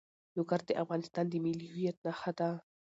لوگر د افغانستان د ملي هویت نښه ده.